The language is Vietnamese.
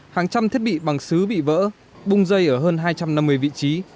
hàng trăm thiết bị bằng xứ bị vỡ bung dây ở hơn hai trăm năm mươi vị trí